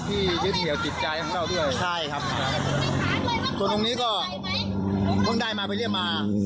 ที่ยึดเหนียวจิตใจของเราด้วยใช่ครับส่วนตรงนี้ก็เพิ่งได้มาไปเรื่อยมา